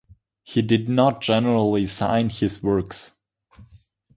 He did not generally sign his works.